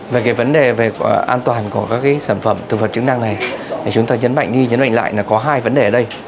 về cái vấn đề về an toàn của các cái sản phẩm thực phẩm chức năng này thì chúng ta nhấn mạnh đi nhấn mạnh lại là có hai vấn đề ở đây